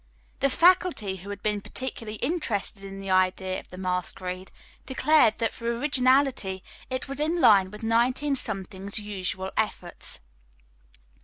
The faculty, who had been particularly interested in the idea of the masquerade, declared that for originality it was in line with 19 's usual efforts.